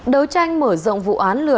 đấu tranh mở rộng vụ án lượt